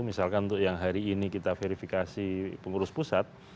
misalkan untuk yang hari ini kita verifikasi pengurus pusat